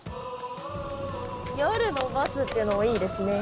夜のバスっていうのもいいですね。